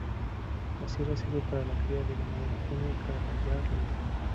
La sierra sirve para la cría de ganado vacuno y caballar libre.